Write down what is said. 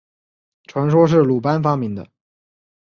传说是鲁班发明。